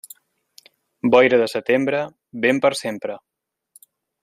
Boira de setembre, vent per sempre.